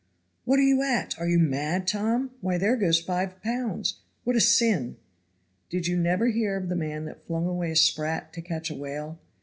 "What are you at? Are you mad, Tom? Why, there goes five pounds. What a sin!" "Did you never hear of the man that flung away a sprat to catch a whale?